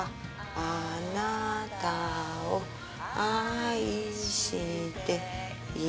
「あなたを愛しています」